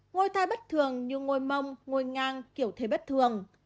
ngôi ta bất thường như ngôi mông ngôi ngang kiểu thế bất thường